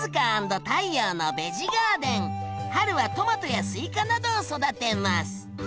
春はトマトやスイカなどを育てます。